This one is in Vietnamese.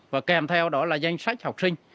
và kèm theo đó là danh sách học sinh